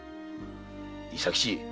伊佐吉。